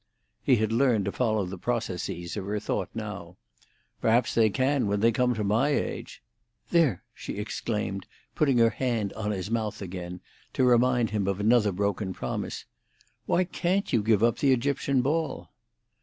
He had learned to follow the processes of her thought now. "Perhaps they can when they come to my age." "There!" she exclaimed, putting her hand on his mouth again, to remind him of another broken promise. "Why can't you give up the Egyptian ball?"